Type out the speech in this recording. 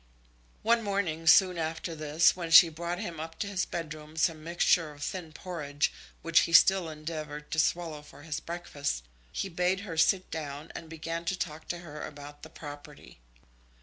One morning, soon after this, when she brought him up to his bedroom some mixture of thin porridge, which he still endeavoured to swallow for his breakfast, he bade her sit down, and began to talk to her about the property.